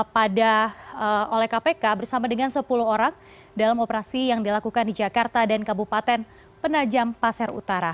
pada oleh kpk bersama dengan sepuluh orang dalam operasi yang dilakukan di jakarta dan kabupaten penajam pasir utara